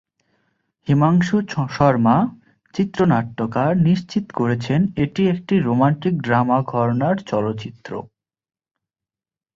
হিমাংশু শর্মা, চিত্রনাট্যকার নিশ্চিত করেছেন এটি একটি রোমান্টিক ড্রামা ঘরানার চলচ্চিত্র।